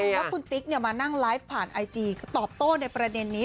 ว่าคุณติ๊กเนี่ยมานั่งไลฟ์ผ่านไอจีก็ตอบต้นในประเด็นนี้